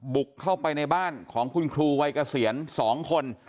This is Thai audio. บุกเข้าไปในบ้านของคุณครูวัยเกษียณ๒คน